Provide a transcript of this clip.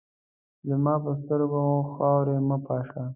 زما پر سترګو خاوري مه پاشه !